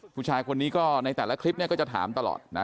ผู้ชายคนนี้ก็ในแต่ละคลิปนี้ก็จะถามตลอดนะ